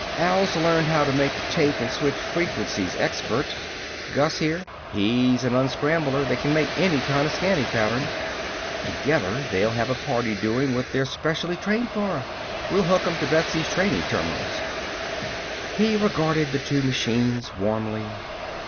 "Al's learned how to make a tape and switch frequencies expert. Gus, here, he's a unscrambler that can make any kinda scanning pattern. Together they'll have a party doing what they're special trained for. We'll hook 'em to Betsy's training terminals." He regarded the two machines warmly.